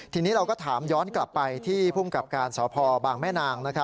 ทีนี้เราก็ถามย้อนกลับไปที่ภูมิกับการสพบางแม่นาง